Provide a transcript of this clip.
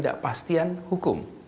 ada kepastian hukum